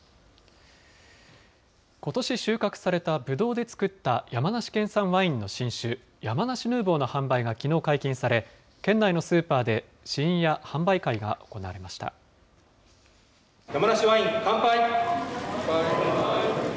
ことし収穫されたぶどうで造った山梨県産のワインの新酒、山梨ヌーボーの販売が、きのう解禁され、県内のスーパーで試飲や山梨ワイン、乾杯。